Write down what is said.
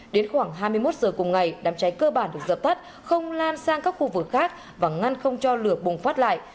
đến khoảng hai mươi một h cùng ngày đám cháy cơ bản được dập tắt không lan sang các khu vực khác và ngăn không cho lửa bùng phát lại